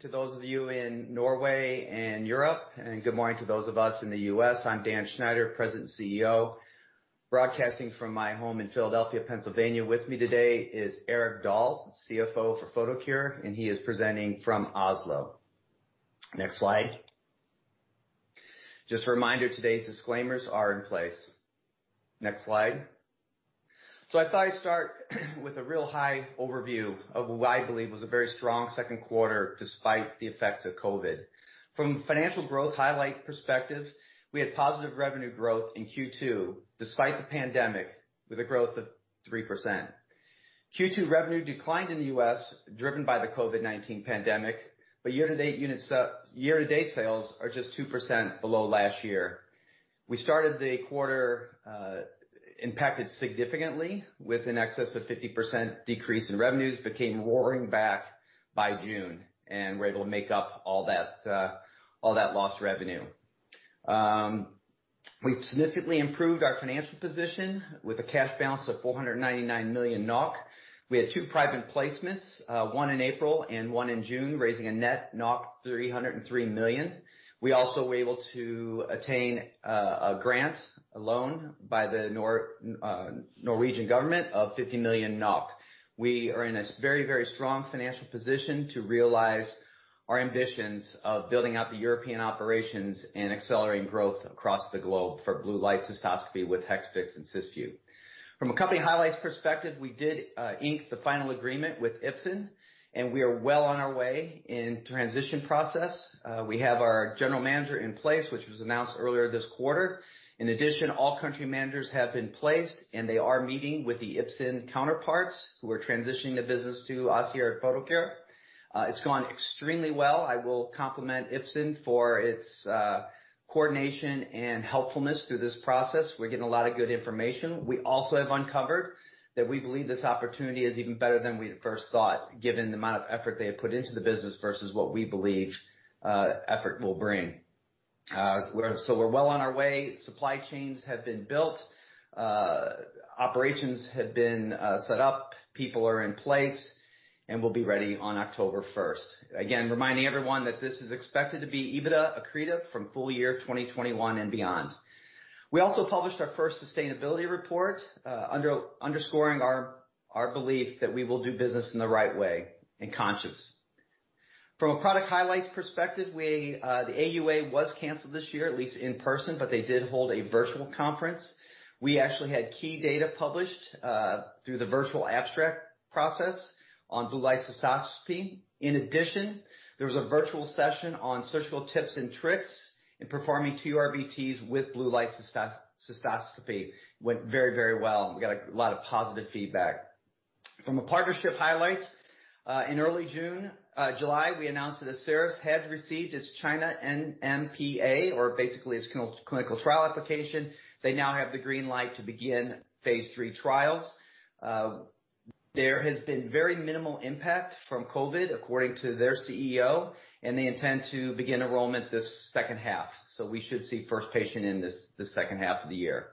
To those of you in Norway and Europe, and good morning to those of us in the U.S. I'm Dan Schneider, President and CEO, broadcasting from my home in Philadelphia, Pennsylvania. With me today is Erik Dahl, CFO for Photocure, and he is presenting from Oslo. Next slide. Just a reminder, today's disclaimers are in place. Next slide. So I thought I'd start with a real high overview of what I believe was a very strong second quarter despite the effects of COVID. From a financial growth highlight perspective, we had positive revenue growth in Q2 despite the pandemic with a growth of 3%. Q2 revenue declined in the U.S., driven by the COVID-19 pandemic, but year-to-date sales are just 2% below last year. We started the quarter impacted significantly with an excess of 50% decrease in revenues, came roaring back by June, and were able to make up all that lost revenue. We've significantly improved our financial position with a cash balance of 499 million NOK. We had two private placements, one in April and one in June, raising a net 303 million. We also were able to attain a grant, a loan by the Norwegian government of 50 million NOK. We are in a very, very strong financial position to realize our ambitions of building out the European operations and accelerating growth across the globe for Blue Light Cystoscopy with Hexvix and Cysview. From a company highlights perspective, we did ink the final agreement with Ipsen, and we are well on our way in the transition process. We have our general manager in place, which was announced earlier this quarter. In addition, all country managers have been placed, and they are meeting with the Ipsen counterparts who are transitioning the business to Photocure. It's gone extremely well. I will compliment Ipsen for its coordination and helpfulness through this process. We're getting a lot of good information. We also have uncovered that we believe this opportunity is even better than we first thought, given the amount of effort they have put into the business versus what we believe effort will bring, so we're well on our way. Supply chains have been built, operations have been set up, people are in place, and we'll be ready on October 1st. Again, reminding everyone that this is expected to be EBITDA accretive from full year 2021 and beyond. We also published our first sustainability report, underscoring our belief that we will do business in the right way and consciously. From a product highlights perspective, the AUA was canceled this year, at least in person, but they did hold a virtual conference. We actually had key data published through the virtual abstract process on Blue Light Cystoscopy. In addition, there was a virtual session on surgical tips and tricks in performing TURBTs with Blue Light Cystoscopy. It went very, very well. We got a lot of positive feedback. From a partnership highlights, in early July, we announced that Asieris had received its China NMPA, or basically its clinical trial application. They now have the green light to begin Phase 3 trials. There has been very minimal impact from COVID, according to their CEO, and they intend to begin enrollment this second half. So we should see first patient in this second half of the year.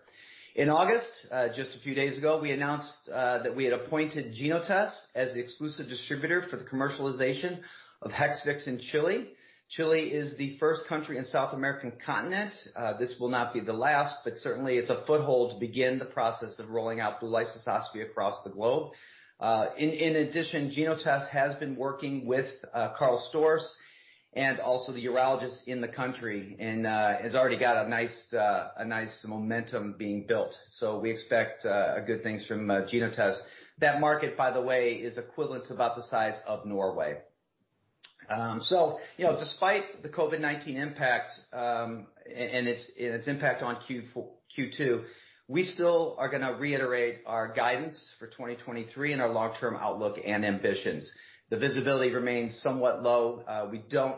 In August, just a few days ago, we announced that we had appointed Genotec as the exclusive distributor for the commercialization of Hexvix in Chile. Chile is the first country in the South American continent. This will not be the last, but certainly it's a foothold to begin the process of rolling out Blue Light Cystoscopy across the globe. In addition, Genotec has been working with Karl Storz and also the urologists in the country and has already got a nice momentum being built. So we expect good things from Genotests. That market, by the way, is equivalent to about the size of Norway. So despite the COVID-19 impact and its impact on Q2, we still are going to reiterate our guidance for 2023 and our long-term outlook and ambitions. The visibility remains somewhat low.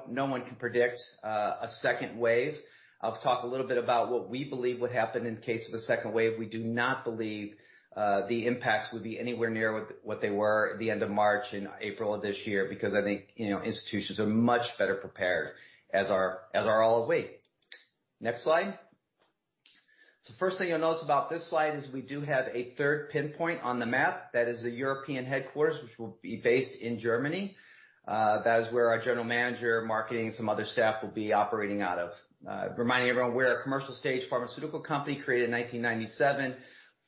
No one can predict a second wave. I'll talk a little bit about what we believe would happen in the case of a second wave. We do not believe the impacts would be anywhere near what they were at the end of March and April of this year because I think institutions are much better prepared as we're all awake. Next slide. So the first thing you'll notice about this slide is we do have a third pinpoint on the map. That is the European headquarters, which will be based in Germany. That is where our general manager, marketing, and some other staff will be operating out of. Reminding everyone, we're a commercial-stage pharmaceutical company created in 1997,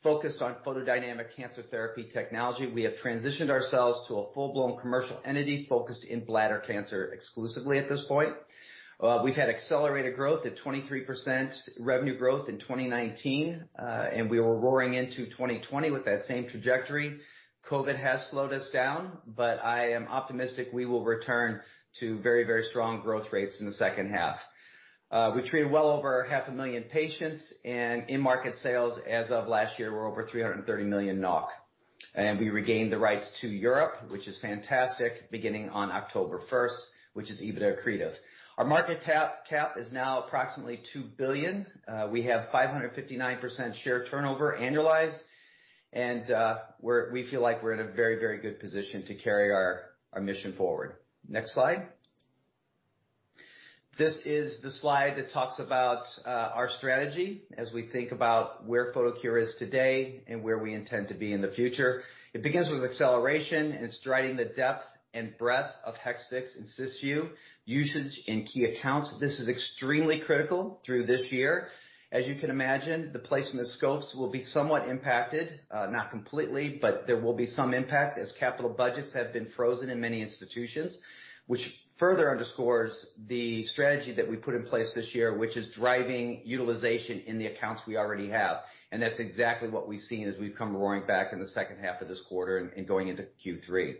focused on photodynamic cancer therapy technology. We have transitioned ourselves to a full-blown commercial entity focused in bladder cancer exclusively at this point. We've had accelerated growth at 23% revenue growth in 2019, and we were roaring into 2020 with that same trajectory. COVID has slowed us down, but I am optimistic we will return to very, very strong growth rates in the second half. We treated well over 500,000 patients, and in-market sales as of last year were over 330 million NOK, and we regained the rights to Europe, which is fantastic, beginning on October 1st, which is EBITDA accretive. Our market cap is now approximately 2 billion NOK. We have 559% share turnover annualized, and we feel like we're in a very, very good position to carry our mission forward. Next slide. This is the slide that talks about our strategy as we think about where Photocure is today and where we intend to be in the future. It begins with acceleration, and it's driving the depth and breadth of Hexvix and Cysview usage in key accounts. This is extremely critical through this year. As you can imagine, the placement of scopes will be somewhat impacted, not completely, but there will be some impact as capital budgets have been frozen in many institutions, which further underscores the strategy that we put in place this year, which is driving utilization in the accounts we already have. And that's exactly what we've seen as we've come roaring back in the second half of this quarter and going into Q3,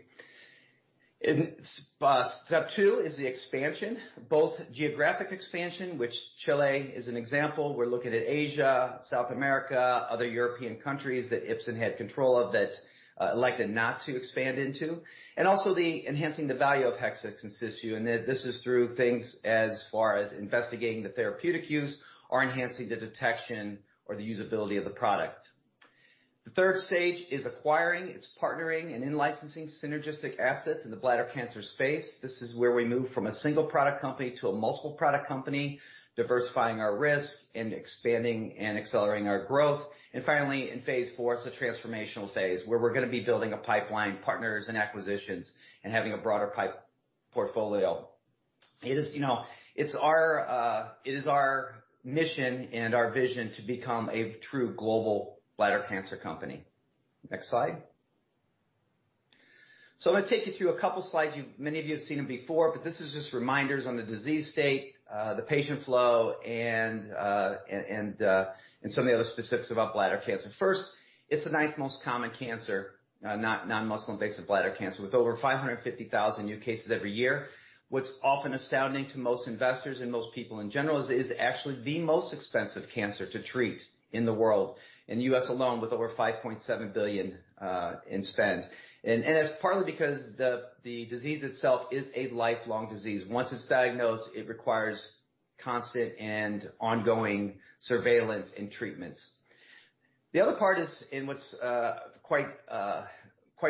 and that's exactly what we've seen as we've come roaring back in the second half of this quarter and going into Q3. Step two is the expansion, both geographic expansion, which Chile is an example. We're looking at Asia, South America, other European countries that Ipsen had control of that elected not to expand into, and also enhancing the value of Hexvix and Cysview, and this is through things as far as investigating the therapeutic use or enhancing the detection or the usability of the product. The third stage is acquiring, it's partnering, and in-licensing synergistic assets in the bladder cancer space. This is where we move from a single product company to a multiple product company, diversifying our risk and expanding and accelerating our growth. And finally, in Phase 4, it's a transformational phase where we're going to be building a pipeline, partners, and acquisitions, and having a broader pipeline portfolio. It's our mission and our vision to become a true global bladder cancer company. Next slide. So I'm going to take you through a couple of slides. Many of you have seen them before, but this is just reminders on the disease state, the patient flow, and some of the other specifics about bladder cancer. First, it's the ninth most common cancer, non-muscle-invasive bladder cancer, with over 550,000 new cases every year. What's often astounding to most investors and most people in general is it is actually the most expensive cancer to treat in the world, in the US alone, with over $5.7 billion in spend. And that's partly because the disease itself is a lifelong disease. Once it's diagnosed, it requires constant and ongoing surveillance and treatments. The other part is, and what's quite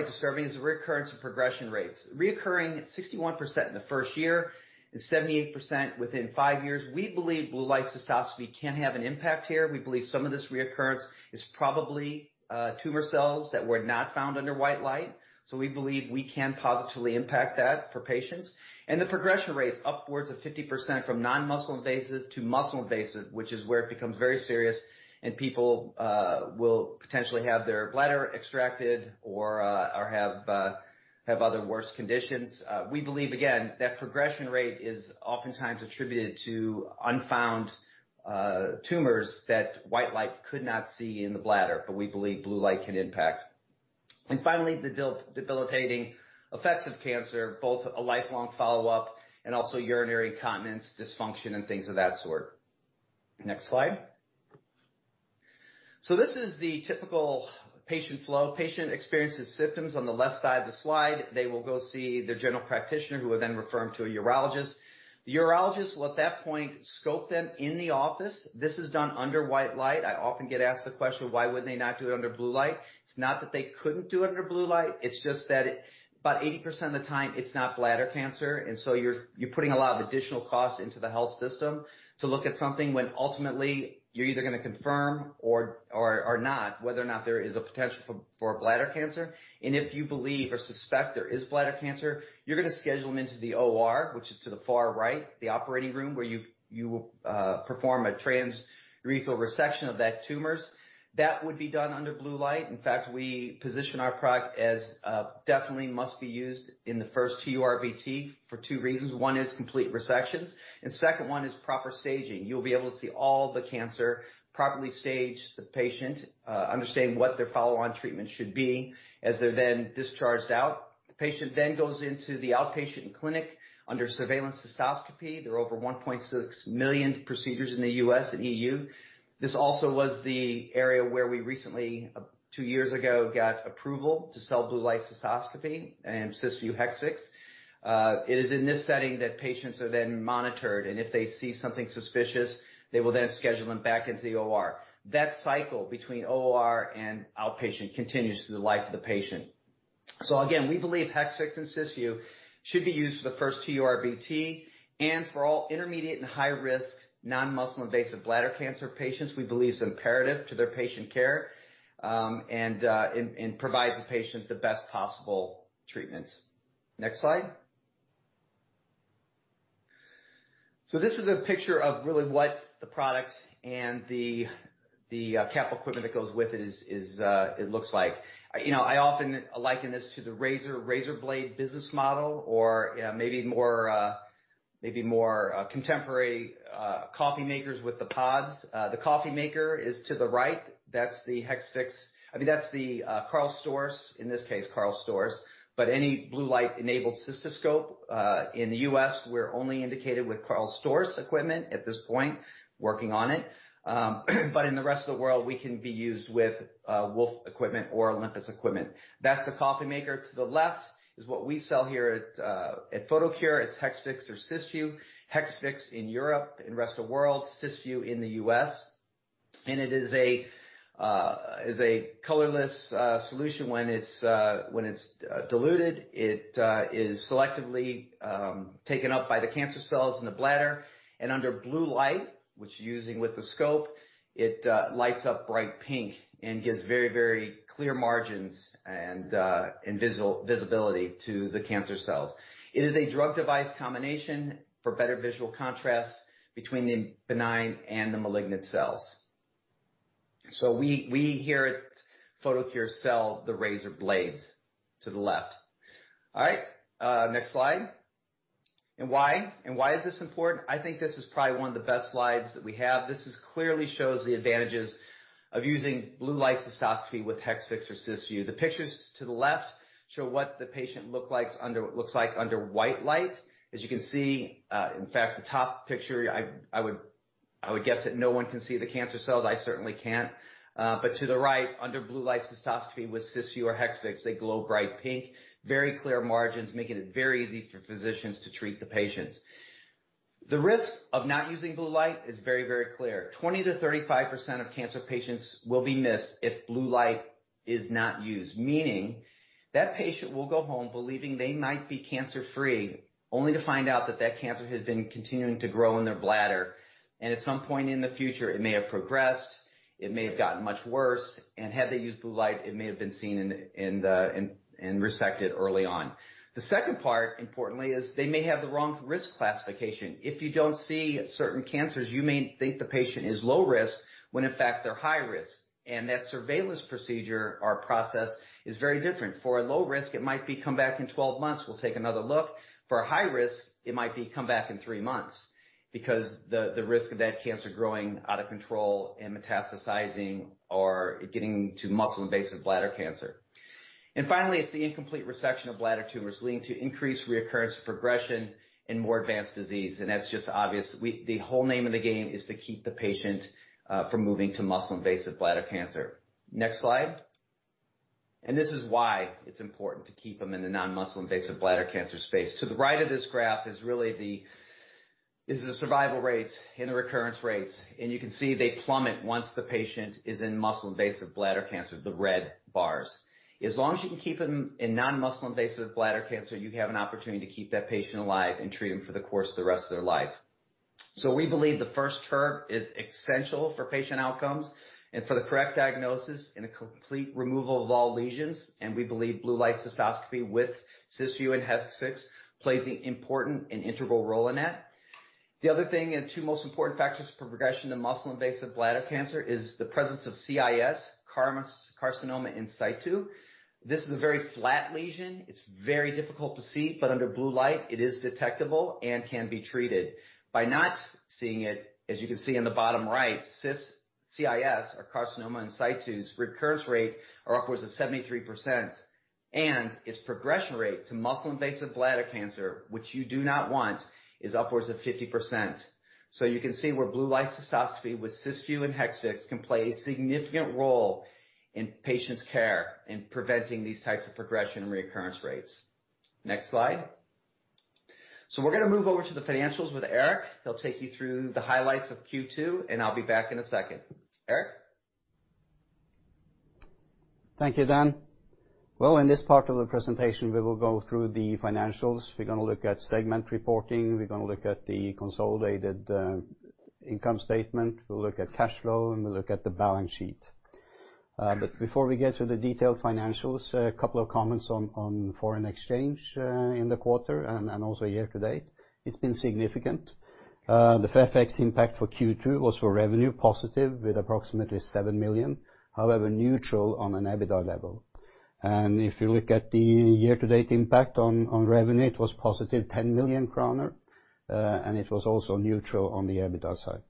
disturbing, is the recurrence and progression rates. Recurring at 61% in the first year and 78% within five years. We believe Blue Light Cystoscopy can have an impact here. We believe some of this recurrence is probably tumor cells that were not found under white light. So we believe we can positively impact that for patients. And the progression rate's upwards of 50% from non-muscle-invasive to muscle-invasive, which is where it becomes very serious and people will potentially have their bladder extracted or have other worse conditions. We believe, again, that progression rate is oftentimes attributed to unfound tumors that white light could not see in the bladder, but we believe blue light can impact. And finally, the debilitating effects of cancer, both a lifelong follow-up and also urinary incontinence, dysfunction, and things of that sort. Next slide. So this is the typical patient flow. Patient experiences symptoms on the left side of the slide. They will go see their general practitioner, who will then refer them to a urologist. The urologist will, at that point, scope them in the office. This is done under white light. I often get asked the question, "Why wouldn't they not do it under blue light?" It's not that they couldn't do it under blue light. It's just that about 80% of the time, it's not bladder cancer. And so you're putting a lot of additional costs into the health system to look at something when ultimately you're either going to confirm or not whether or not there is a potential for bladder cancer. And if you believe or suspect there is bladder cancer, you're going to schedule them into the OR, which is to the far right, the operating room where you perform a transurethral resection of that tumor. That would be done under blue light. In fact, we position our product as definitely must be used in the first TURBT for two reasons. One is complete resections, and the second one is proper staging. You'll be able to see all the cancer, properly stage the patient, understanding what their follow-on treatment should be as they're then discharged out. The patient then goes into the outpatient clinic under surveillance cystoscopy. There are over 1.6 million procedures in the U.S. and E.U. This also was the area where we recently, two years ago, got approval to sell Blue Light Cystoscopy and Cysview Hexvix. It is in this setting that patients are then monitored, and if they see something suspicious, they will then schedule them back into the OR. That cycle between OR and outpatient continues through the life of the patient. So again, we believe Hexvix and Cysview should be used for the first TURBT and for all intermediate and high-risk non-muscle-invasive bladder cancer patients. We believe it's imperative to their patient care and provides the patient the best possible treatments. Next slide. So this is a picture of really what the product and the capital equipment that goes with it looks like. I often liken this to the razor blade business model or maybe more contemporary coffee makers with the pods. The coffee maker is to the right. That's the Hexvix. I mean, that's the Karl Storz, in this case, Karl Storz, but any Blue Light-enabled cystoscope in the US, we're only indicated with Karl Storz equipment at this point, working on it. But in the rest of the world, we can be used with Wolf equipment or Olympus equipment. That's the coffee maker. To the left is what we sell here at Photocure. It's Hexvix or Cysview. Hexvix in Europe, in the rest of the world, Cysview in the US. And it is a colorless solution when it's diluted. It is selectively taken up by the cancer cells in the bladder. And under blue light, which you're using with the scope, it lights up bright pink and gives very, very clear margins and visibility to the cancer cells. It is a drug-device combination for better visual contrast between the benign and the malignant cells. So we here at Photocure sell the razor blades to the left. All right. Next slide. And why? And why is this important? I think this is probably one of the best slides that we have. This clearly shows the advantages of using Blue Light Cystoscopy with Hexvix or Cysview. The pictures to the left show what the patient looks like under white light. As you can see, in fact, the top picture, I would guess that no one can see the cancer cells. I certainly can't. But to the right, under Blue Light Cystoscopy with Cysview or Hexvix, they glow bright pink, very clear margins, making it very easy for physicians to treat the patients. The risk of not using blue light is very, very clear. 20%-35% of cancer patients will be missed if blue light is not used, meaning that patient will go home believing they might be cancer-free, only to find out that that cancer has been continuing to grow in their bladder. And at some point in the future, it may have progressed. It may have gotten much worse. And had they used blue light, it may have been seen and resected early on. The second part, importantly, is they may have the wrong risk classification. If you don't see certain cancers, you may think the patient is low risk when, in fact, they're high risk. And that surveillance procedure or process is very different. For a low risk, it might be, "Come back in 12 months. We'll take another look." For a high risk, it might be, "Come back in three months," because the risk of that cancer growing out of control and metastasizing or getting to muscle-invasive bladder cancer. And finally, it's the incomplete resection of bladder tumors leading to increased recurrence, progression, and more advanced disease. And that's just obvious. The whole name of the game is to keep the patient from moving to muscle-invasive bladder cancer. Next slide. This is why it's important to keep them in the non-muscle-invasive bladder cancer space. To the right of this graph is really the survival rates and the recurrence rates. And you can see they plummet once the patient is in muscle-invasive bladder cancer, the red bars. As long as you can keep them in non-muscle-invasive bladder cancer, you have an opportunity to keep that patient alive and treat them for the course of the rest of their life. So we believe the first TURBT is essential for patient outcomes and for the correct diagnosis and a complete removal of all lesions. And we believe Blue Light Cystoscopy with Cysview and Hexvix plays an important and integral role in that. The other thing, the two most important factors for progression to muscle-invasive bladder cancer is the presence of CIS, carcinoma in situ. This is a very flat lesion. It's very difficult to see, but under blue light, it is detectable and can be treated. By not seeing it, as you can see in the bottom right, CIS or carcinoma in situ's recurrence rate is upwards of 73%. And its progression rate to muscle-invasive bladder cancer, which you do not want, is upwards of 50%. So you can see where Blue Light Cystoscopy with Cysview and Hexvix can play a significant role in patients' care in preventing these types of progression and recurrence rates. Next slide. So we're going to move over to the financials with Erik. He'll take you through the highlights of Q2, and I'll be back in a second. Erik? Thank you, Dan. Well, in this part of the presentation, we will go through the financials. We're going to look at segment reporting. We're going to look at the consolidated income statement. We'll look at cash flow, and we'll look at the balance sheet. But before we get to the detailed financials, a couple of comments on foreign exchange in the quarter and also year-to-date. It's been significant. The forex impact for Q2 was, for revenue, positive with approximately 7 million, however neutral on an EBITDA level. And if you look at the year-to-date impact on revenue, it was positive 10 million kroner, and it was also neutral on the EBITDA side.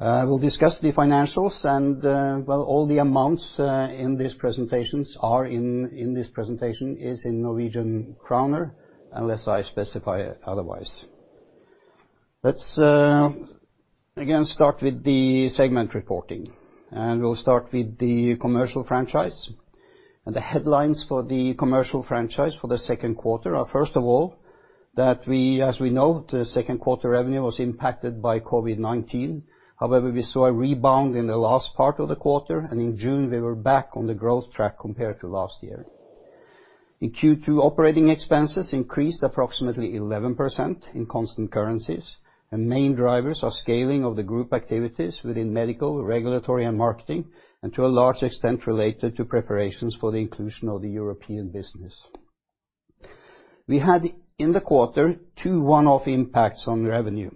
We'll discuss the financials, and all the amounts in this presentation are in Norwegian kroner, unless I specify otherwise. Let's again start with the segment reporting, and we'll start with the commercial franchise. And the headlines for the commercial franchise for the second quarter are, first of all, that we, as we know, the second quarter revenue was impacted by COVID-19. However, we saw a rebound in the last part of the quarter, and in June, we were back on the growth track compared to last year. In Q2, operating expenses increased approximately 11% in constant currencies. And main drivers are scaling of the group activities within medical, regulatory, and marketing, and to a large extent related to preparations for the inclusion of the European business. We had in the quarter two one-off impacts on revenue.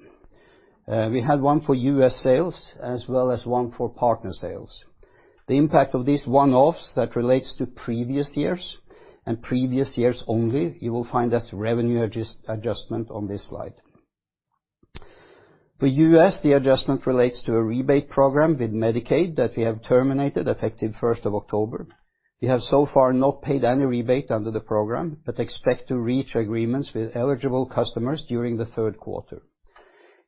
We had one for U.S. sales as well as one for partner sales. The impact of these one-offs that relates to previous years and previous years only, you will find that's revenue adjustment on this slide. For U.S., the adjustment relates to a rebate program with Medicaid that we have terminated effective 1st of October. We have so far not paid any rebate under the program, but expect to reach agreements with eligible customers during the third quarter.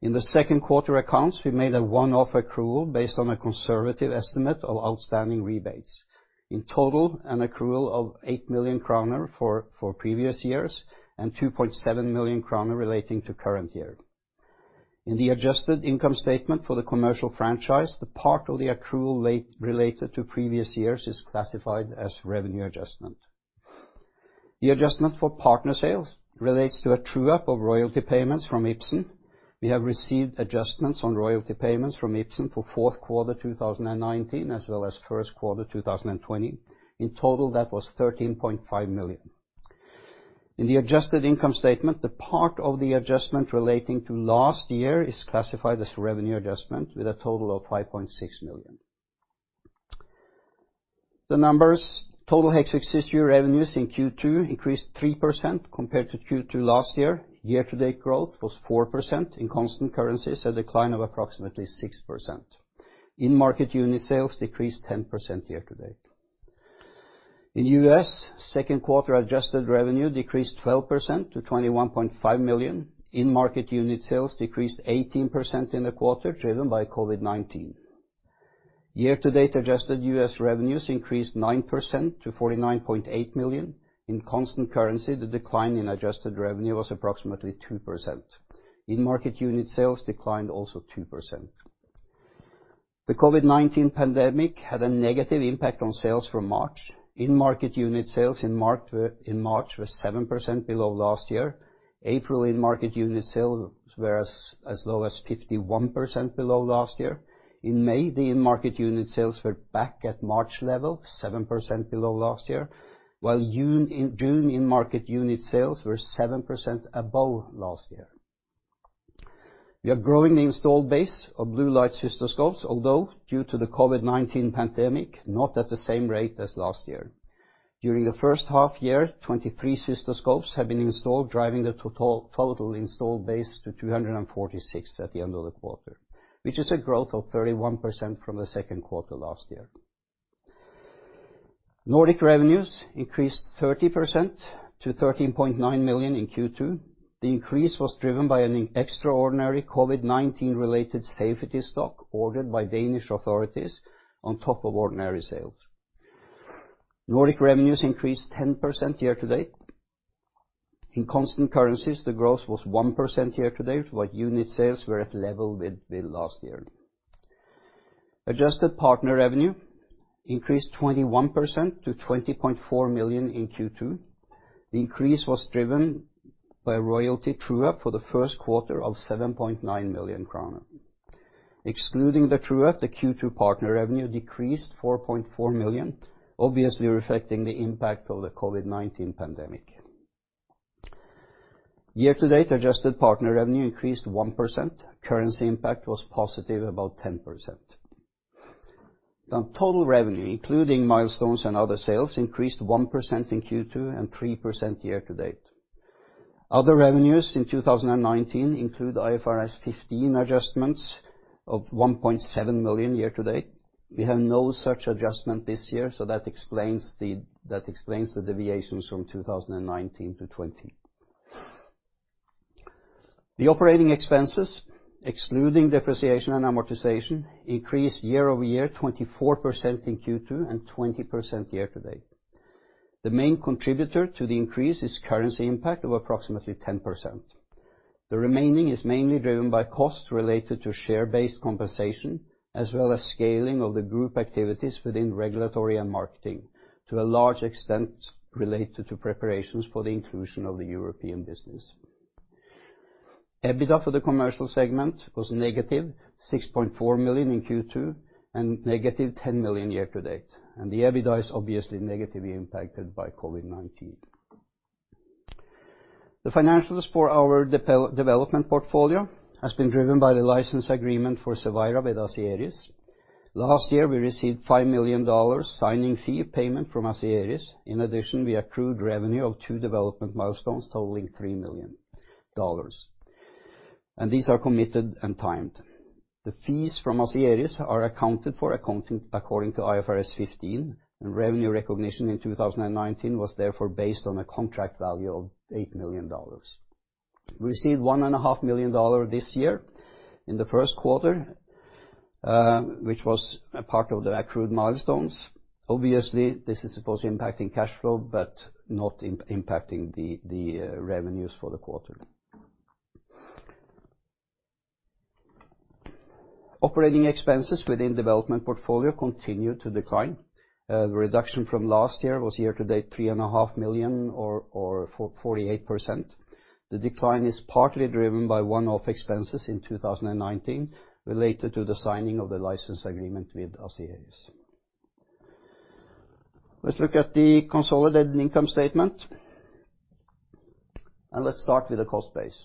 In the second quarter accounts, we made a one-off accrual based on a conservative estimate of outstanding rebates. In total, an accrual of 8 million kroner for previous years and 2.7 million kroner relating to current year. In the adjusted income statement for the commercial franchise, the part of the accrual related to previous years is classified as revenue adjustment. The adjustment for partner sales relates to a true-up of royalty payments from Ipsen. We have received adjustments on royalty payments from Ipsen for fourth quarter 2019 as well as first quarter 2020. In total, that was 13.5 million. In the adjusted income statement, the part of the adjustment relating to last year is classified as revenue adjustment with a total of 5.6 million. The numbers, total Hexvix this year revenues in Q2 increased 3% compared to Q2 last year. Year-to-date growth was 4% in constant currencies, a decline of approximately 6%. In-market unit sales decreased 10% year-to-date. In U.S., second quarter adjusted revenue decreased 12% to $21.5 million. In-market unit sales decreased 18% in the quarter driven by COVID-19. Year-to-date adjusted U.S. revenues increased 9% to $49.8 million. In constant currency, the decline in adjusted revenue was approximately 2%. In-market unit sales declined also 2%. The COVID-19 pandemic had a negative impact on sales for March. In-market unit sales in March were 7% below last year. April in-market unit sales were as low as 51% below last year. In May, the in-market unit sales were back at March level, 7% below last year, while June in-market unit sales were 7% above last year. We are growing the installed base of Blue Light cystoscopes, although due to the COVID-19 pandemic, not at the same rate as last year. During the first half year, 23 cystoscopes have been installed, driving the total installed base to 246 at the end of the quarter, which is a growth of 31% from the second quarter last year. Nordic revenues increased 30% to 13.9 million in Q2. The increase was driven by an extraordinary COVID-19-related safety stock ordered by Danish authorities on top of ordinary sales. Nordic revenues increased 10% year-to-date. In constant currencies, the growth was 1% year-to-date, but unit sales were at level with last year. Adjusted partner revenue increased 21% to 20.4 million in Q2. The increase was driven by a royalty true-up for the first quarter of 7.9 million kroner. Excluding the true-up, the Q2 partner revenue decreased 4.4 million, obviously reflecting the impact of the COVID-19 pandemic. Year-to-date adjusted partner revenue increased 1%. Currency impact was positive about 10%. Total revenue, including milestones and other sales, increased 1% in Q2 and 3% year-to-date. Other revenues in 2019 include IFRS 15 adjustments of 1.7 million year-to-date. We have no such adjustment this year, so that explains the deviations from 2019 to 2020. The operating expenses, excluding depreciation and amortization, increased year-over-year 24% in Q2 and 20% year-to-date. The main contributor to the increase is currency impact of approximately 10%. The remaining is mainly driven by costs related to share-based compensation as well as scaling of the group activities within regulatory and marketing to a large extent related to preparations for the inclusion of the European business. EBITDA for the commercial segment was negative 6.4 million in Q2 and negative 10 million year-to-date, and the EBITDA is obviously negatively impacted by COVID-19. The financials for our development portfolio have been driven by the license agreement for Cevira with Asieris. Last year, we received $5 million signing fee payment from Asieris. In addition, we accrued revenue of two development milestones totaling $3 million, and these are committed and timed. The fees from Asieris are accounted for according to IFRS 15, and revenue recognition in 2019 was therefore based on a contract value of $8 million. We received $1.5 million this year in the first quarter, which was part of the accrued milestones. Obviously, this is supposed to be impacting cash flow, but not impacting the revenues for the quarter. Operating expenses within development portfolio continued to decline. The reduction from last year was year-to-date 3.5 million or 48%. The decline is partly driven by one-off expenses in 2019 related to the signing of the license agreement with Asieris. Let's look at the consolidated income statement. Let's start with the cost base.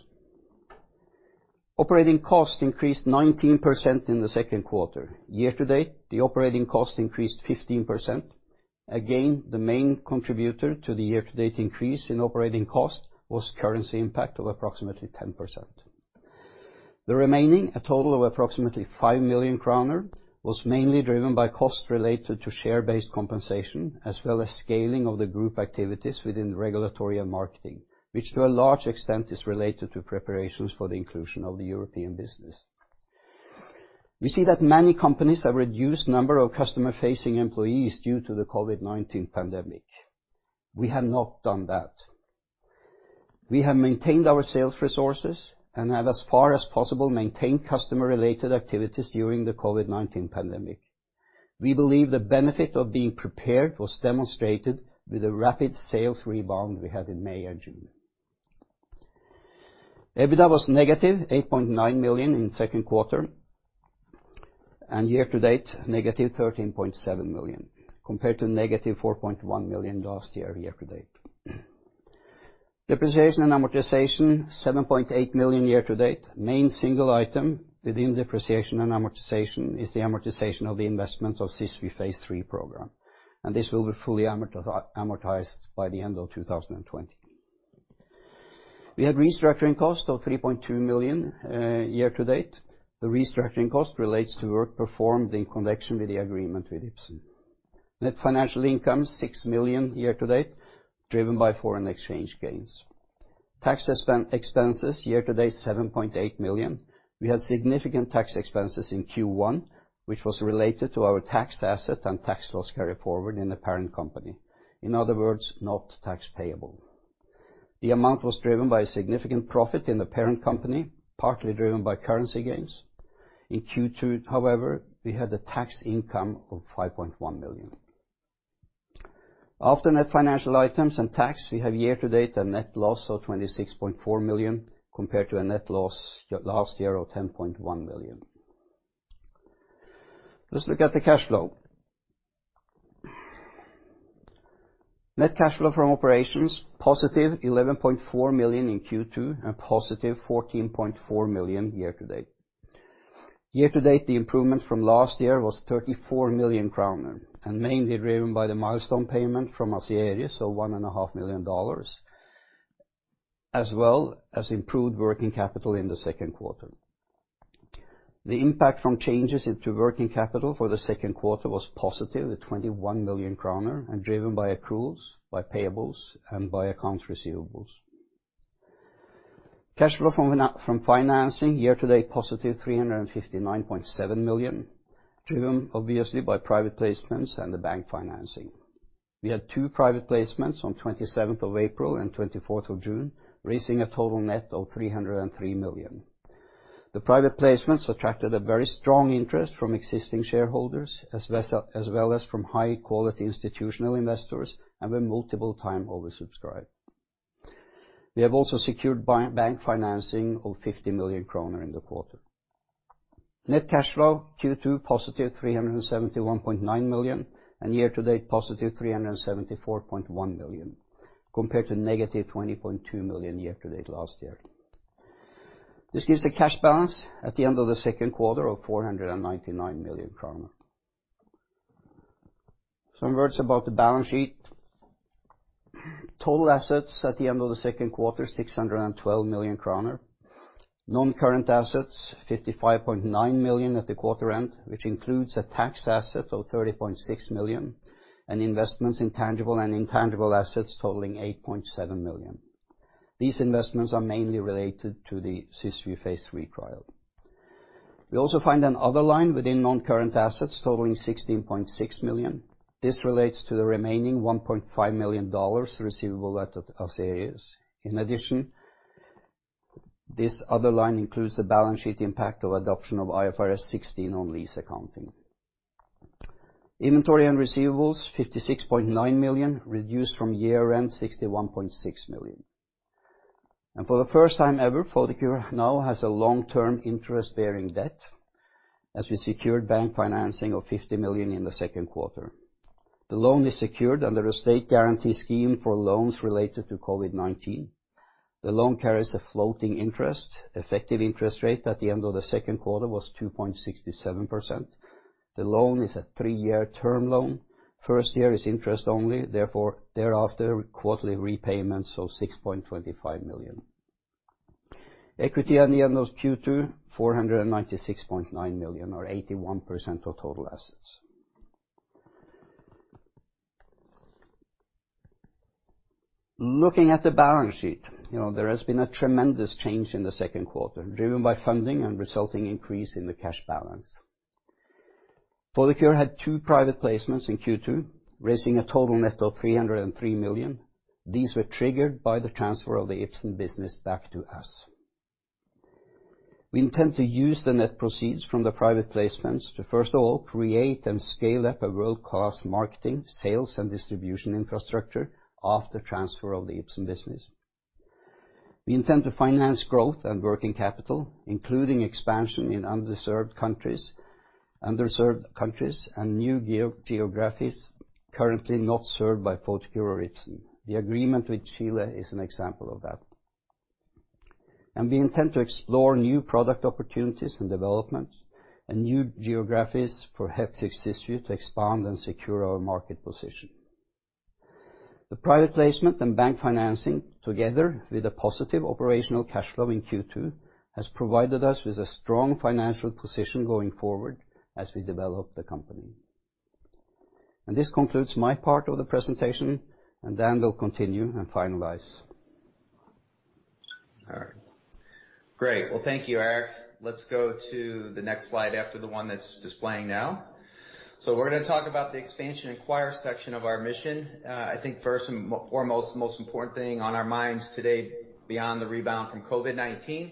Operating cost increased 19% in the second quarter. Year-to-date, the operating cost increased 15%. Again, the main contributor to the year-to-date increase in operating cost was currency impact of approximately 10%. The remaining, a total of approximately 5 million kroner, was mainly driven by costs related to share-based compensation as well as scaling of the group activities within regulatory and marketing, which to a large extent is related to preparations for the inclusion of the European business. We see that many companies have reduced the number of customer-facing employees due to the COVID-19 pandemic. We have not done that. We have maintained our sales resources and have, as far as possible, maintained customer-related activities during the COVID-19 pandemic. We believe the benefit of being prepared was demonstrated with the rapid sales rebound we had in May and June. EBITDA was negative 8.9 million in the second quarter and year-to-date negative 13.7 million compared to negative 4.1 million last year year-to-date. Depreciation and amortization 7.8 million year-to-date. main single item within depreciation and amortization is the amortization of the investment of Cysview phase 3 program. This will be fully amortized by the end of 2020. We had restructuring cost of 3.2 million year-to-date. The restructuring cost relates to work performed in connection with the agreement with Ipsen. Net financial income 6 million year-to-date driven by foreign exchange gains. Tax expenses year-to-date 7.8 million. We had significant tax expenses in Q1, which was related to our tax asset and tax loss carried forward in the parent company. In other words, not tax payable. The amount was driven by significant profit in the parent company, partly driven by currency gains. In Q2, however, we had a tax income of 5.1 million. After net financial items and tax, we have year-to-date a net loss of 26.4 million compared to a net loss last year of 10.1 million. Let's look at the cash flow. Net cash flow from operations positive 11.4 million in Q2 and positive 14.4 million year-to-date. Year-to-date, the improvement from last year was 34 million kroner and mainly driven by the milestone payment from Asieris of $1.5 million as well as improved working capital in the second quarter. The impact from changes into working capital for the second quarter was positive with 21 million kroner and driven by accruals, by payables, and by accounts receivables. Cash flow from financing year-to-date positive 359.7 million driven obviously by private placements and the bank financing. We had two private placements on 27th of April and 24th of June, raising a total net of 303 million. The private placements attracted a very strong interest from existing shareholders as well as from high-quality institutional investors and were multiple-time oversubscribed. We have also secured bank financing of 50 million kroner in the quarter. Net cash flow Q2 positive 371.9 million and year-to-date positive 374.1 million compared to negative 20.2 million year-to-date last year. This gives a cash balance at the end of the second quarter of 499 million krone. Some words about the balance sheet. Total assets at the end of the second quarter 612 million kroner. Non-current assets 55.9 million at the quarter end, which includes a tax asset of 30.6 million and investments in tangible and intangible assets totaling 8.7 million. These investments are mainly related to the Cysview phase 3 trial. We also find another line within non-current assets totaling 16.6 million. This relates to the remaining $1.5 million receivable at Asieris. In addition, this other line includes the balance sheet impact of adoption of IFRS 16 on lease accounting. Inventory and receivables 56.9 million reduced from year-end 61.6 million. For the first time ever, Photocure now has a long-term interest-bearing debt as we secured bank financing of 50 million in the second quarter. The loan is secured under a state guarantee scheme for loans related to COVID-19. The loan carries a floating interest. Effective interest rate at the end of the second quarter was 2.67%. The loan is a three-year term loan. First year is interest only. Therefore, thereafter, quarterly repayments of 6.25 million. Equity at the end of Q2 496.9 million or 81% of total assets. Looking at the balance sheet, there has been a tremendous change in the second quarter driven by funding and resulting increase in the cash balance. Photocure had two private placements in Q2 raising a total net of 303 million. These were triggered by the transfer of the Ipsen business back to us. We intend to use the net proceeds from the private placements to, first of all, create and scale up a world-class marketing, sales, and distribution infrastructure after transfer of the Ipsen business. We intend to finance growth and working capital, including expansion in underserved countries and new geographies currently not served by Photocure or Ipsen. The agreement with Chile is an example of that. And we intend to explore new product opportunities and developments and new geographies for Hexvix Cysview to expand and secure our market position. The private placement and bank financing together with a positive operational cash flow in Q2 has provided us with a strong financial position going forward as we develop the company. And this concludes my part of the presentation, and Dan will continue and finalize. All right. Great. Thank you, Erik. Let's go to the next slide after the one that's displaying now. We're going to talk about the expansion and acquire section of our mission. I think first and foremost, the most important thing on our minds today beyond the rebound from COVID-19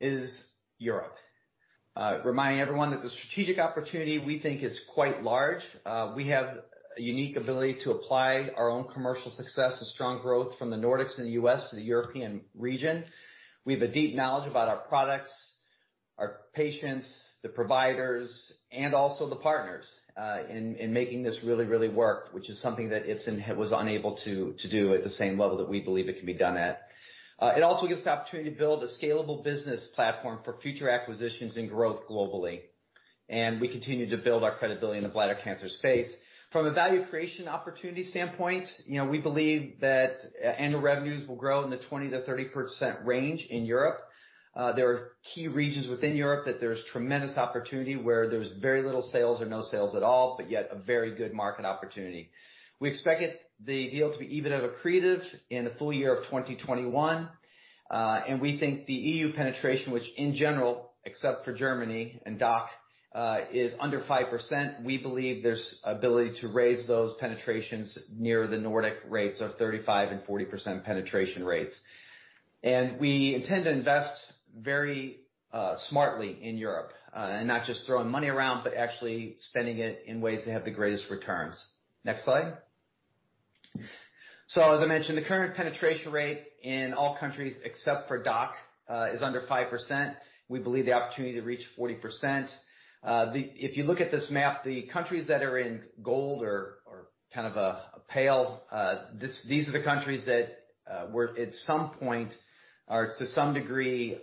is Europe. Reminding everyone that the strategic opportunity we think is quite large. We have a unique ability to apply our own commercial success and strong growth from the Nordics and the U.S. to the European region. We have a deep knowledge about our products, our patients, the providers, and also the partners in making this really, really work, which is something that Ipsen was unable to do at the same level that we believe it can be done at. It also gives us the opportunity to build a scalable business platform for future acquisitions and growth globally. We continue to build our credibility in the bladder cancer space. From a value creation opportunity standpoint, we believe that annual revenues will grow in the 20%-30% range in Europe. There are key regions within Europe that there's tremendous opportunity where there's very little sales or no sales at all, but yet a very good market opportunity. We expect the deal to be even at breakeven accretive in the full year of 2021. We think the EU penetration, which in general, except for Germany and DACH, is under 5%. We believe there's ability to raise those penetrations near the Nordic rates of 35%-40% penetration rates. We intend to invest very smartly in Europe and not just throwing money around, but actually spending it in ways that have the greatest returns. Next slide. As I mentioned, the current penetration rate in all countries except for DACH is under 5%. We believe the opportunity to reach 40%. If you look at this map, the countries that are in gold are kind of pale. These are the countries that were at some point or to some degree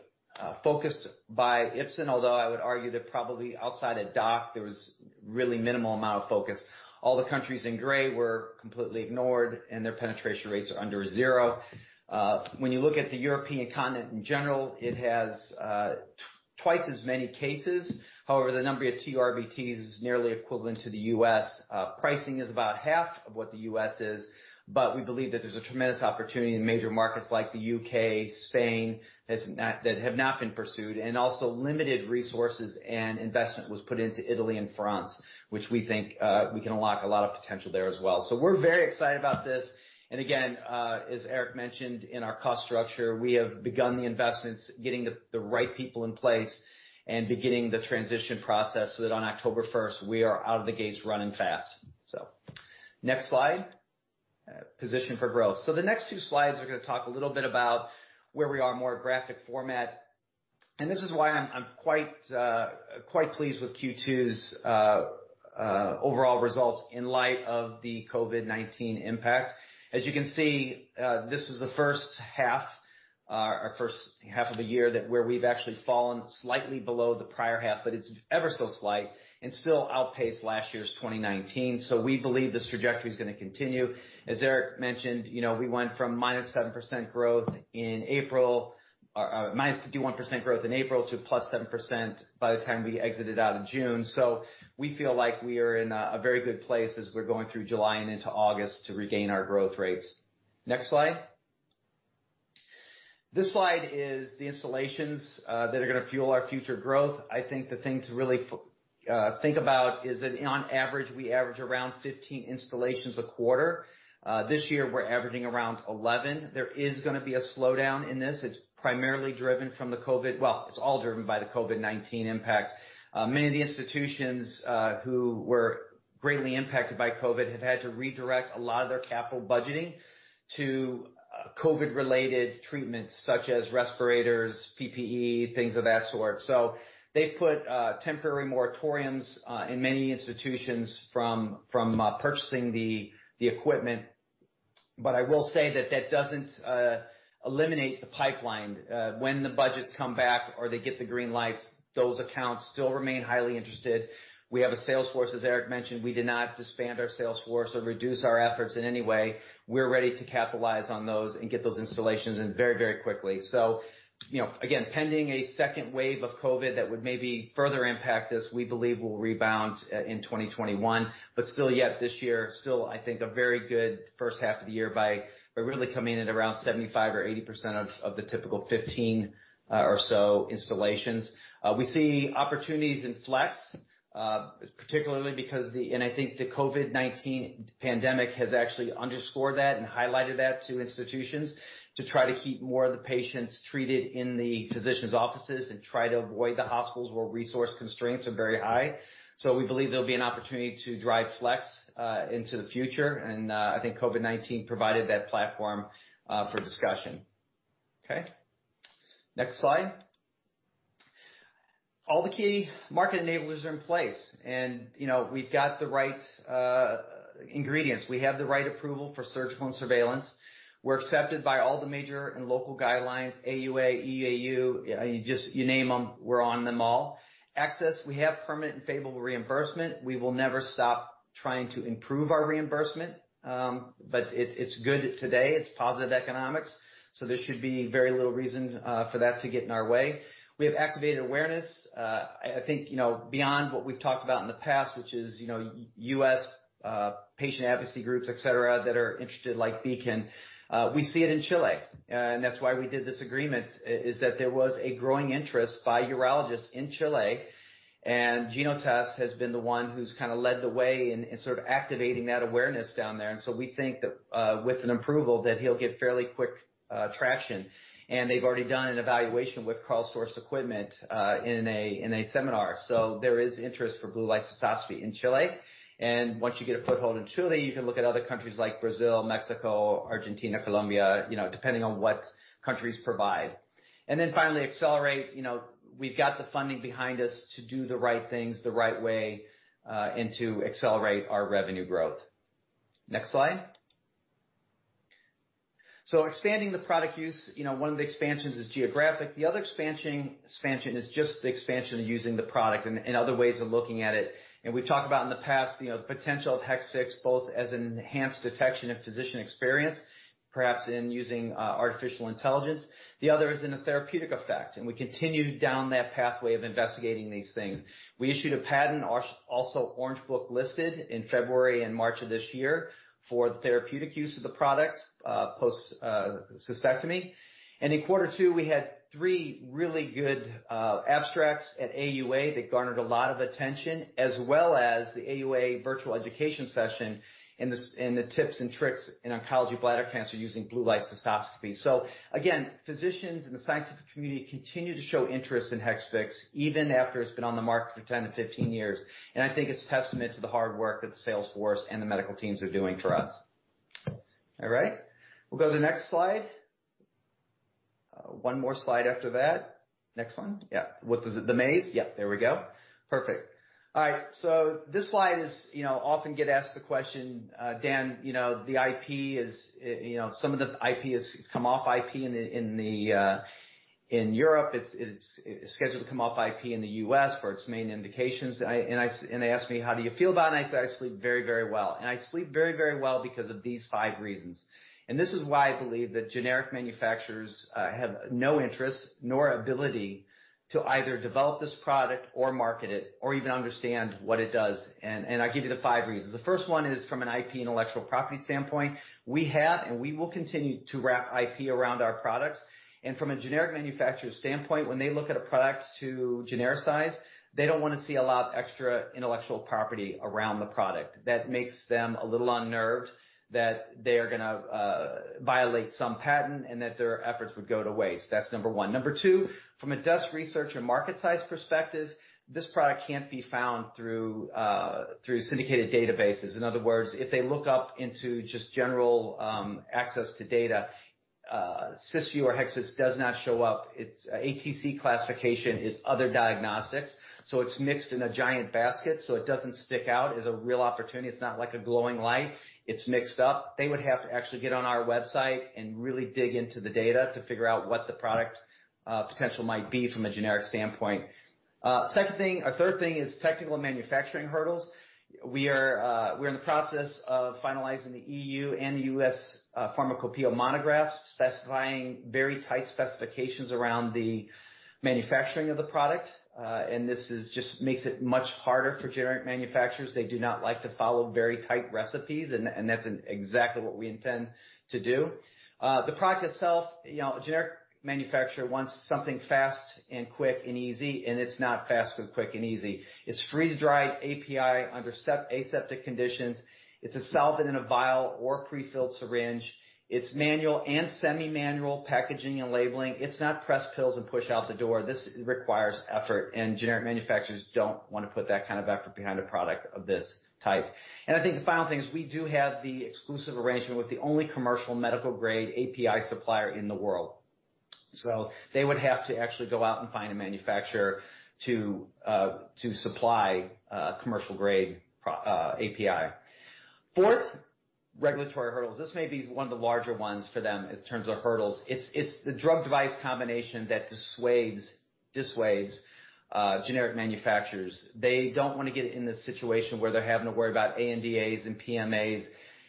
focused by Ipsen, although I would argue that probably outside of DACH, there was really minimal amount of focus. All the countries in gray were completely ignored, and their penetration rates are under zero. When you look at the European continent in general, it has twice as many cases. However, the number of TURBTs is nearly equivalent to the U.S. Pricing is about half of what the U.S. is, but we believe that there's a tremendous opportunity in major markets like the U.K., Spain that have not been pursued. And also, limited resources and investment was put into Italy and France, which we think we can unlock a lot of potential there as well. So we're very excited about this. And again, as Erik mentioned in our cost structure, we have begun the investments, getting the right people in place and beginning the transition process so that on October 1st, we are out of the gates running fast. So next slide. Position for growth. So the next two slides are going to talk a little bit about where we are more graphic format. And this is why I'm quite pleased with Q2's overall result in light of the COVID-19 impact. As you can see, this was the first half of the year where we've actually fallen slightly below the prior half, but it's ever so slight and still outpaced last year's 2019. So we believe this trajectory is going to continue. As Erik mentioned, we went from minus 7% growth in April, minus 51% growth in April to plus 7% by the time we exited out of June. So we feel like we are in a very good place as we're going through July and into August to regain our growth rates. Next slide. This slide is the installations that are going to fuel our future growth. I think the thing to really think about is that on average, we average around 15 installations a quarter. This year, we're averaging around 11. There is going to be a slowdown in this. It's primarily driven from the COVID well, it's all driven by the COVID-19 impact. Many of the institutions who were greatly impacted by COVID have had to redirect a lot of their capital budgeting to COVID-related treatments such as respirators, PPE, things of that sort. So they've put temporary moratoriums in many institutions from purchasing the equipment. But I will say that that doesn't eliminate the pipeline. When the budgets come back or they get the green lights, those accounts still remain highly interested. We have a sales force, as Erik mentioned. We did not disband our sales force or reduce our efforts in any way. We're ready to capitalize on those and get those installations in very, very quickly. So again, pending a second wave of COVID that would maybe further impact this, we believe we'll rebound in 2021. But still yet this year, still I think a very good first half of the year by really coming in at around 75% or 80% of the typical 15 or so installations. We see opportunities in flex, particularly because, and I think, the COVID-19 pandemic has actually underscored that and highlighted that to institutions to try to keep more of the patients treated in the physicians' offices and try to avoid the hospitals where resource constraints are very high. So we believe there'll be an opportunity to drive flex into the future. And I think COVID-19 provided that platform for discussion. Okay. Next slide. All the key market enablers are in place. And we've got the right ingredients. We have the right approval for surgical and surveillance. We're accepted by all the major and local guidelines, AUA, EAU, you name them, we're on them all. Access, we have permanent and favorable reimbursement. We will never stop trying to improve our reimbursement, but it's good today. It's positive economics. So there should be very little reason for that to get in our way. We have activated awareness. I think beyond what we've talked about in the past, which is US patient advocacy groups, etc., that are interested like BCAN, we see it in Chile. And that's why we did this agreement is that there was a growing interest by urologists in Chile. And GenoTec has been the one who's kind of led the way in sort of activating that awareness down there. And so we think that with an approval that he'll get fairly quick traction. And they've already done an evaluation with Karl Storz Equipment in a seminar. So there is interest for blue light cystoscopy in Chile. Once you get a foothold in Chile, you can look at other countries like Brazil, Mexico, Argentina, Colombia, depending on what countries provide. Then finally, accelerate. We've got the funding behind us to do the right things the right way and to accelerate our revenue growth. Next slide. Expanding the product use, one of the expansions is geographic. The other expansion is just the expansion of using the product and other ways of looking at it. We've talked about in the past the potential of Hexvix both as an enhanced detection and physician experience, perhaps in using artificial intelligence. The other is in a therapeutic effect. We continue down that pathway of investigating these things. We issued a patent, also Orange Book listed in February and March of this year for the therapeutic use of the product post-cystectomy. In quarter two, we had three really good abstracts at AUA that garnered a lot of attention as well as the AUA virtual education session in the tips and tricks in oncology bladder cancer using blue light cystoscopy. So again, physicians and the scientific community continue to show interest in Hexvix even after it's been on the market for 10 to 15 years. And I think it's a testament to the hard work that the sales force and the medical teams are doing for us. All right. We'll go to the next slide. One more slide after that. Next one. Yeah. With the mouse. Yeah. There we go. Perfect. All right. So this slide, I often get asked the question, Dan, the IP. Some of the IP has come off IP in Europe. It's scheduled to come off IP in the US for its main indications. And they asked me, how do you feel about it? And I said, I sleep very, very well. And I sleep very, very well because of these five reasons. And this is why I believe that generic manufacturers have no interest nor ability to either develop this product or market it or even understand what it does. And I'll give you the five reasons. The first one is from an IP intellectual property standpoint. We have and we will continue to wrap IP around our products. And from a generic manufacturer standpoint, when they look at a product to genericize, they don't want to see a lot of extra intellectual property around the product. That makes them a little unnerved that they are going to violate some patent and that their efforts would go to waste. That's number one. Number two, from a desk research and market size perspective, this product can't be found through syndicated databases. In other words, if they look up into just general access to data, Cysview or Hexvix does not show up. Its ATC classification is other diagnostics. So it's mixed in a giant basket. So it doesn't stick out as a real opportunity. It's not like a glowing light. It's mixed up. They would have to actually get on our website and really dig into the data to figure out what the product potential might be from a generic standpoint. Second thing, our third thing is technical and manufacturing hurdles. We are in the process of finalizing the EU and US Pharmacopeia monographs, specifying very tight specifications around the manufacturing of the product, and this just makes it much harder for generic manufacturers. They do not like to follow very tight recipes. That's exactly what we intend to do. The product itself, a generic manufacturer wants something fast and quick and easy, and it's not fast, quick, and easy. It's freeze-dried API under aseptic conditions. It's a solvent in a vial or prefilled syringe. It's manual and semi-manual packaging and labeling. It's not press pills and push out the door. This requires effort. And generic manufacturers don't want to put that kind of effort behind a product of this type. And I think the final thing is we do have the exclusive arrangement with the only commercial medical-grade API supplier in the world. So they would have to actually go out and find a manufacturer to supply commercial-grade API. Fourth, regulatory hurdles. This may be one of the larger ones for them in terms of hurdles. It's the drug-device combination that dissuades generic manufacturers. They don't want to get in this situation where they're having to worry about ANDAs and PMAs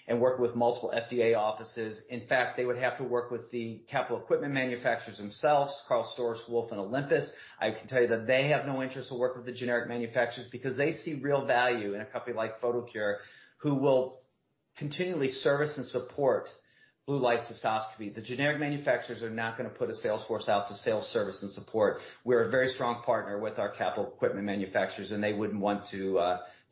and work with multiple FDA offices. In fact, they would have to work with the capital equipment manufacturers themselves, Karl Storz, Richard Wolf, and Olympus. I can tell you that they have no interest to work with the generic manufacturers because they see real value in a company like Photocure who will continually service and support blue light cystoscopy. The generic manufacturers are not going to put a sales force out to sell, service, and support. We're a very strong partner with our capital equipment manufacturers, and they wouldn't want to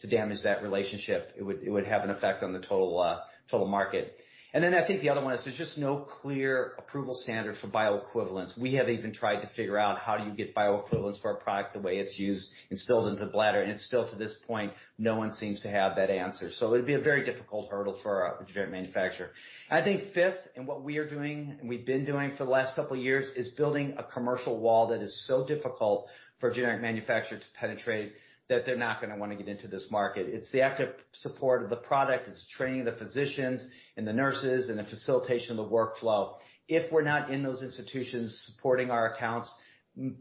damage that relationship. It would have an effect on the total market, and then I think the other one is there's just no clear approval standard for bioequivalence. We have even tried to figure out how do you get bioequivalence for a product the way it's used, instilled into the bladder, and still to this point, no one seems to have that answer, so it would be a very difficult hurdle for a generic manufacturer. I think fifth, and what we are doing and we've been doing for the last couple of years is building a commercial wall that is so difficult for a generic manufacturer to penetrate that they're not going to want to get into this market. It's the active support of the product. It's training the physicians and the nurses and the facilitation of the workflow. If we're not in those institutions supporting our accounts,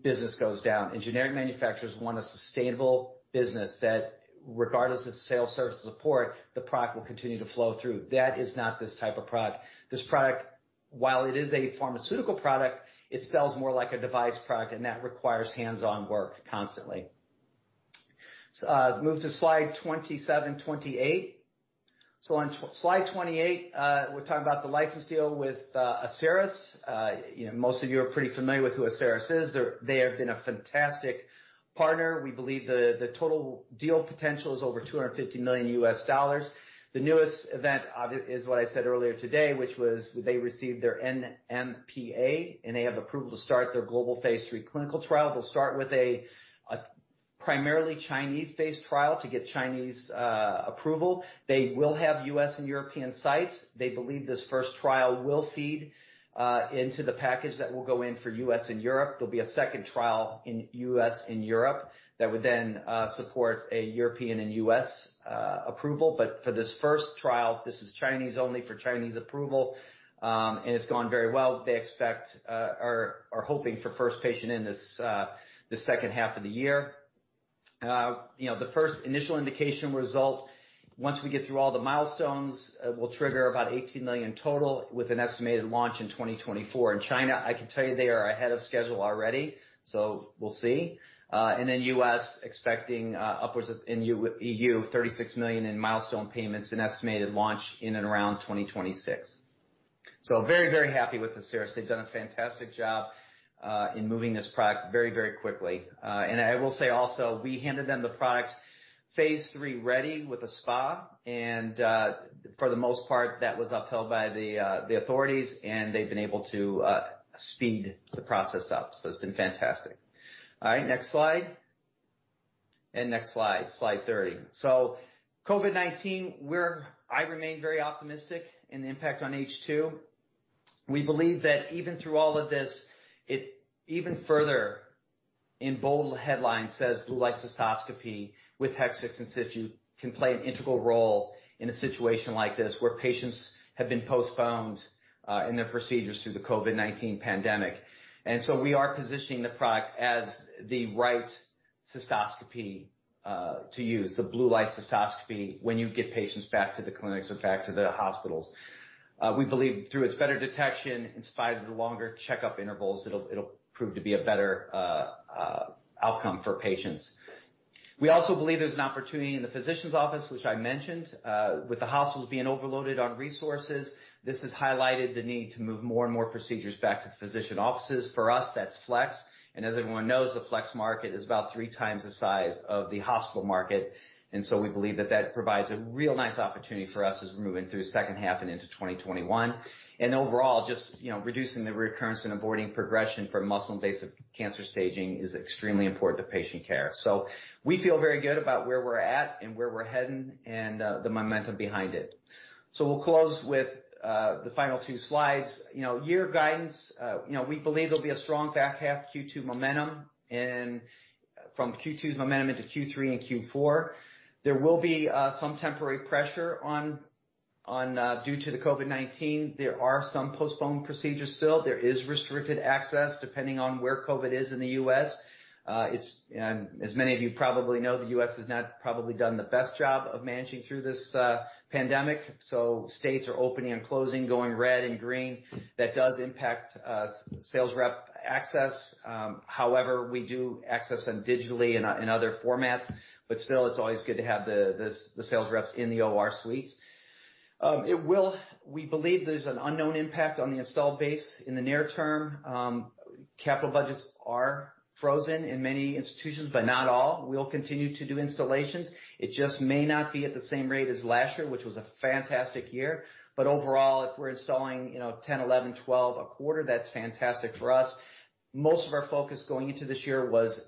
business goes down, and generic manufacturers want a sustainable business that regardless of sales service support, the product will continue to flow through. That is not this type of product. This product, while it is a pharmaceutical product, it sells more like a device product, and that requires hands-on work constantly. Move to slide 27, 28. So on slide 28, we're talking about the license deal with Asieris. Most of you are pretty familiar with who Asieris is. They have been a fantastic partner. We believe the total deal potential is over $250 million. The newest event is what I said earlier today, which was they received their NMPA, and they have approval to start their global phase three clinical trial. They'll start with a primarily Chinese-based trial to get Chinese approval. They will have US and European sites. They believe this first trial will feed into the package that will go in for US and Europe. There'll be a second trial in US and Europe that would then support a European and US approval. But for this first trial, this is Chinese only for Chinese approval. And it's gone very well. They expect or are hoping for first patient in this second half of the year. The first initial indication result, once we get through all the milestones, will trigger about $18 million total with an estimated launch in 2024. In China, I can tell you they are ahead of schedule already. So we'll see. And then US expecting upwards of $36 million in milestone payments and estimated launch in and around 2026. So very, very happy with Asieris. They've done a fantastic job in moving this product very, very quickly. And I will say also, we handed them the product phase three ready with a SPA. And for the most part, that was upheld by the authorities, and they've been able to speed the process up. So it's been fantastic. All right. Next slide. And next slide, slide 30. So COVID-19, I remain very optimistic in the impact on H2. We believe that even through all of this, it even further in bold headlines says blue light cystoscopy with Hexvix and Cysview can play an integral role in a situation like this where patients have been postponed in their procedures through the COVID-19 pandemic. And so we are positioning the product as the right cystoscopy to use, the blue light cystoscopy when you get patients back to the clinics or back to the hospitals. We believe through its better detection, in spite of the longer checkup intervals, it'll prove to be a better outcome for patients. We also believe there's an opportunity in the physicians' office, which I mentioned, with the hospitals being overloaded on resources. This has highlighted the need to move more and more procedures back to physician offices. For us, that's flex, and as everyone knows, the flex market is about three times the size of the hospital market, and so we believe that that provides a real nice opportunity for us as we're moving through second half and into 2021, and overall, just reducing the recurrence and avoiding progression for muscle-invasive cancer staging is extremely important to patient care, so we feel very good about where we're at and where we're heading and the momentum behind it, so we'll close with the final two slides. Year guidance: we believe there'll be a strong back half Q2 momentum from Q2's momentum into Q3 and Q4. There will be some temporary pressure due to the COVID-19. There are some postponed procedures still. There is restricted access depending on where COVID is in the US. As many of you probably know, the U.S. has not probably done the best job of managing through this pandemic. So states are opening and closing, going red and green. That does impact sales rep access. However, we do access them digitally in other formats. But still, it's always good to have the sales reps in the OR suites. We believe there's an unknown impact on the installed base in the near term. Capital budgets are frozen in many institutions, but not all. We'll continue to do installations. It just may not be at the same rate as last year, which was a fantastic year. But overall, if we're installing 10, 11, 12, a quarter, that's fantastic for us. Most of our focus going into this year was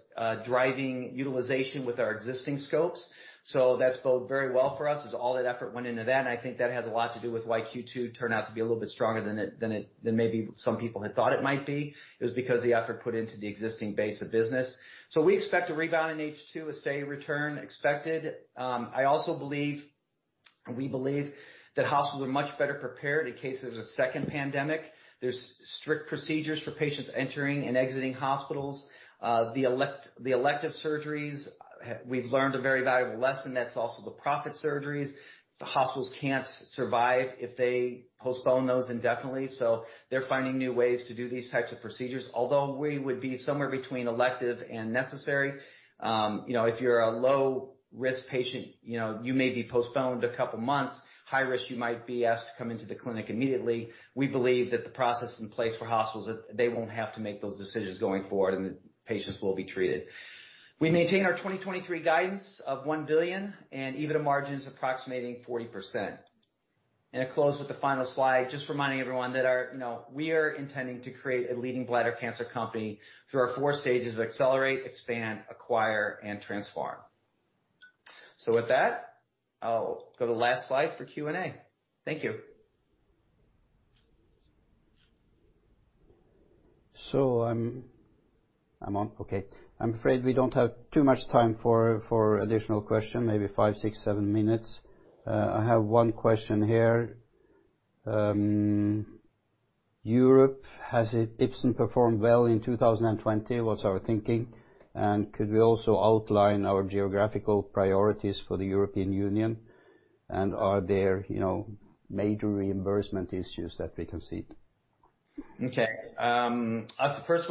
driving utilization with our existing scopes. So that's gone very well for us as all that effort went into that. I think that has a lot to do with why Q2 turned out to be a little bit stronger than maybe some people had thought it might be. It was because the effort put into the existing base of business. So we expect a rebound in H2, a steady return expected. I also believe and we believe that hospitals are much better prepared in case there's a second pandemic. There's strict procedures for patients entering and exiting hospitals. The elective surgeries, we've learned a very valuable lesson. That's also the profitable surgeries. The hospitals can't survive if they postpone those indefinitely. So they're finding new ways to do these types of procedures. Although we would be somewhere between elective and necessary. If you're a low-risk patient, you may be postponed a couple of months. High-risk, you might be asked to come into the clinic immediately. We believe that the process is in place for hospitals that they won't have to make those decisions going forward, and the patients will be treated. We maintain our 2023 guidance of 1 billion and EBITDA margins approximating 40% and to close with the final slide, just reminding everyone that we are intending to create a leading bladder cancer company through our four stages of accelerate, expand, acquire, and transform, so with that, I'll go to the last slide for Q&A. Thank you. So I'm on. Okay, I'm afraid we don't have too much time for additional questions, maybe five, six, seven minutes. I have one question here. Europe. Has Ipsen performed well in 2020? What's our thinking? And could we also outline our geographical priorities for the European Union? And are there major reimbursement issues that we can see? Okay. I'll start first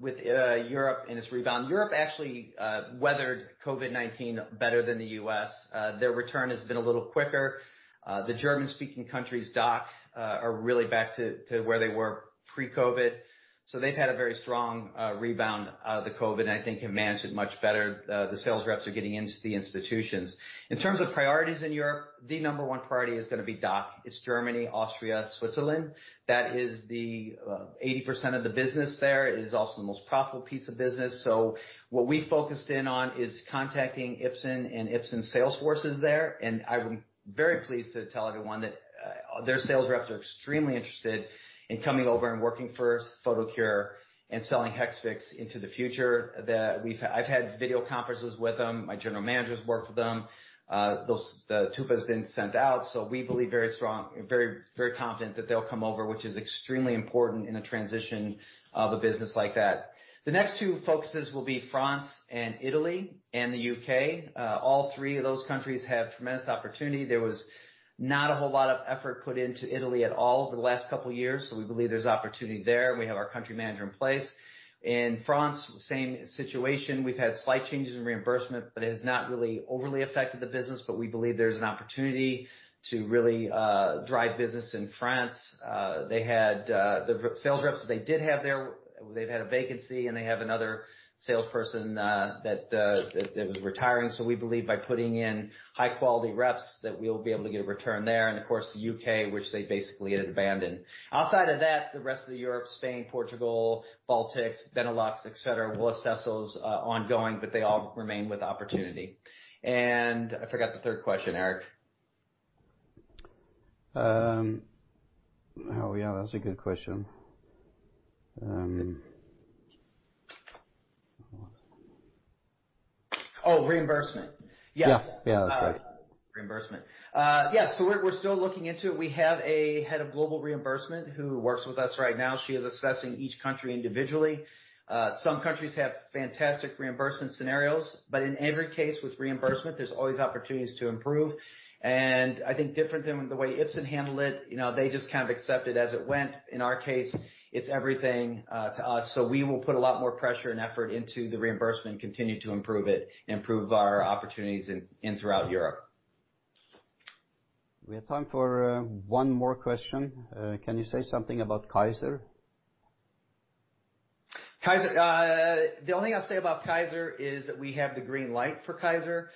with Europe and its rebound. Europe actually weathered COVID-19 better than the U.S. Their return has been a little quicker. The German-speaking countries, DACH, are really back to where they were pre-COVID. So they've had a very strong rebound out of the COVID and I think have managed it much better. The sales reps are getting into the institutions. In terms of priorities in Europe, the number one priority is going to be DACH. It's Germany, Austria, Switzerland. That is the 80% of the business there. It is also the most profitable piece of business. So what we focused in on is contacting Ipsen and Ipsen's sales forces there. And I'm very pleased to tell everyone that their sales reps are extremely interested in coming over and working for Photocure and selling Hexvix into the future. I've had video conferences with them. My general manager has worked with them. The TUPE has been sent out, so we believe very strong, very confident that they'll come over, which is extremely important in a transition of a business like that. The next two focuses will be France and Italy and the UK. All three of those countries have tremendous opportunity. There was not a whole lot of effort put into Italy at all over the last couple of years, so we believe there's opportunity there. We have our country manager in place. In France, same situation. We've had slight changes in reimbursement, but it has not really overly affected the business, but we believe there's an opportunity to really drive business in France. The sales reps that they did have there, they've had a vacancy, and they have another salesperson that was retiring. So we believe by putting in high-quality reps that we'll be able to get a return there. And of course, the U.K., which they basically had abandoned. Outside of that, the rest of Europe, Spain, Portugal, Baltics, Benelux, etc., we'll assess those ongoing, but they all remain with opportunity. And I forgot the third question, Erik. Oh, yeah, that's a good question. Oh, reimbursement. Yes Reimbursement. Yeah, so we're still looking into it. We have a head of global reimbursement who works with us right now. She is assessing each country individually. Some countries have fantastic reimbursement scenarios, but in every case with reimbursement, there's always opportunities to improve, and I think different than the way Ipsen handled it, they just kind of accepted as it went. In our case, it's everything to us, so we will put a lot more pressure and effort into the reimbursement and continue to improve it and improve our opportunities throughout Europe. We have time for one more question. Can you say something about Kaiser? Kaiser, the only thing I'll say about Kaiser is that we have the green light for Kaiser.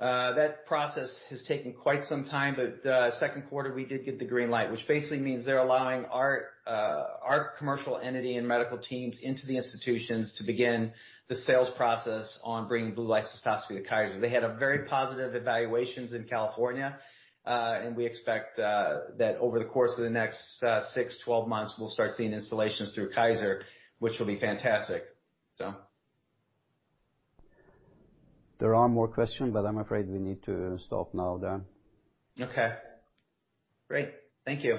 That process has taken quite some time. But second quarter, we did get the green light, which basically means they're allowing our commercial entity and medical teams into the institutions to begin the sales process on bringing blue light cystoscopy to Kaiser. They had very positive evaluations in California. And we expect that over the course of the next six, 12 months, we'll start seeing installations through Kaiser, which will be fantastic, so. There are more questions, but I'm afraid we need to stop now then. Okay. Great. Thank you.